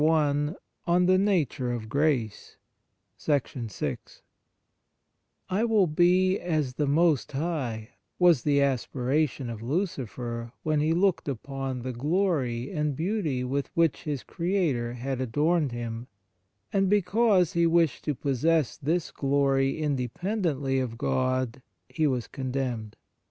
v. 16, 17. THE MARVELS OF DIVINE GRACE VI I WILL be as the Most High/ was the aspiration of Lucifer when he looked upon the glory and beauty with which his Creator had adorned him, and because he wished to possess this glory independ ently of God he was condemned.